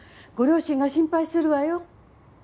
ご両親が心配するわよ。